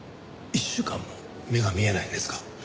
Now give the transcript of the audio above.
１週間も目が見えないんですか？